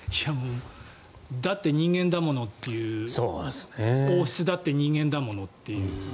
だって人間だものっていう王室だって人間だものっていう。